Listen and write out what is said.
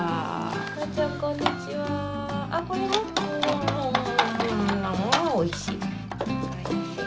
あおいしい。